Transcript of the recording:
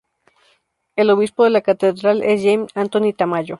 El obispo de la catedral es James Anthony Tamayo.